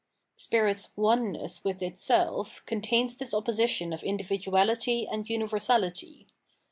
Spirit's oneness with itseK contains this opposition of indi viduahty and universality.